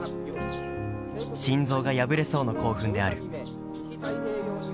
心臓が破れそうな興奮である」。